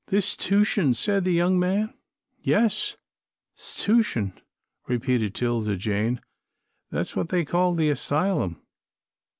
'" "This 'stution?" said the young man. "Yes, 'stution," repeated 'Tilda Jane, "that's what they call the 'sylum.